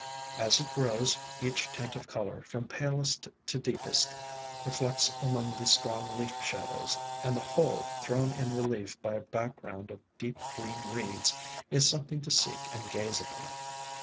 As it grows, each tint of color, from palest to deepest, reflects among the strong leaf shadows, and the whole, thrown in relief by a background of deep green reeds, is something to seek and gaze upon.